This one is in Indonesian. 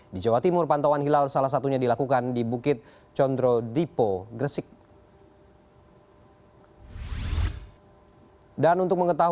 di jawa timur pantauan hilal salah satunya dilakukan di bukit condro dipo gresik